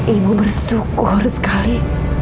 ibu bersyukur sekali